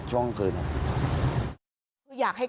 อยากให้กั้นตรงนี้ไว้ครับ